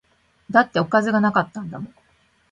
だっておかずが無かったんだもん